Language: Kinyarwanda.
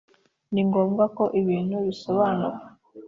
ni ngombwa ko ibintu bisobanuka